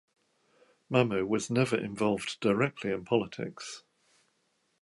Mamo was never involved directly in politics.